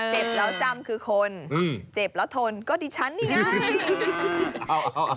เจ็บแล้วจำคือคนเจ็บแล้วทนก็ดิฉันนี่ไง